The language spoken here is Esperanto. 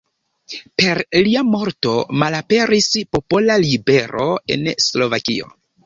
Per lia morto malaperis popola ribelo en Slovakio.